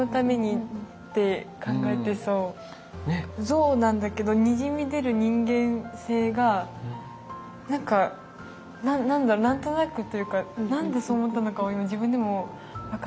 像なんだけどにじみ出る人間性が何か何だろう何となくというか何でそう思ったのかを今自分でも分かんないんですけど。